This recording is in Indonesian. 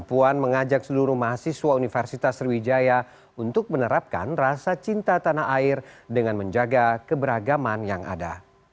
puan mengajak seluruh mahasiswa universitas sriwijaya untuk menerapkan rasa cinta tanah air dengan menjaga keberagaman yang ada